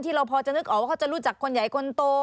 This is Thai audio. เราพอจะนึกออกว่าเขาจะรู้จักคนใหญ่คนโต